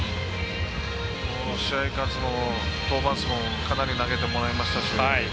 試合数も登板数もかなり投げてもらいましたし。